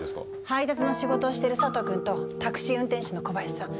配達の仕事をしてる佐藤君とタクシー運転手の小林さん。